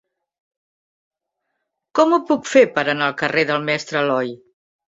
Com ho puc fer per anar al carrer del Mestre Aloi?